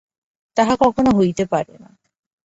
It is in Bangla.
তাহা কখনও হইতে পারে না।